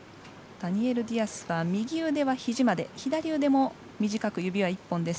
ダニエル・ディアスは右腕はひじまで左腕も短く、指は１本です。